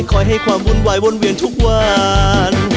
ให้ความวุ่นวายวนเวียนทุกวัน